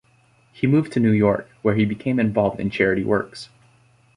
He moved to New York, where he became involved in charity works.